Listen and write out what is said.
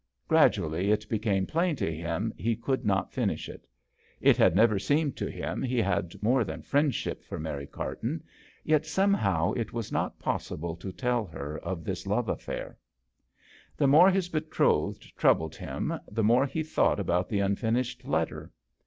Gradually it became plain to him he could not finish it. It had never seemed to him he had more than friendship for Mary Carton, yet somehow it was not possible to tell her of this love affair. The more his betrothed troubled him the more he thought about the unfinished letter.